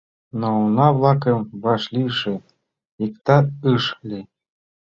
Но уна-влакым вашлийше иктат ыш лий.